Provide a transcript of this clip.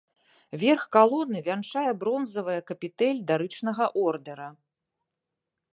Верх калоны вянчае бронзавая капітэль дарычнага ордэра.